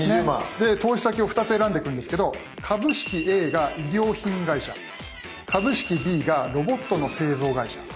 で投資先を２つ選んでいくんですけど株式Ａが衣料品会社株式Ｂがロボットの製造会社。